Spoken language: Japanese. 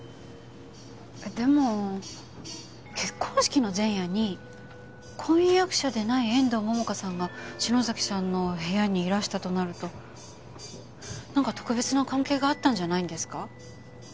でも結婚式の前夜に婚約者でない遠藤桃花さんが篠崎さんの部屋にいらしたとなるとなんか特別な関係があったんじゃないんですか？